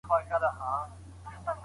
علمي تحقیق له مشورې پرته نه اعلانیږي.